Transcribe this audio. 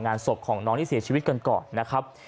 งานศพของน้องที่เสียชีวิตกันก่อนนะครับ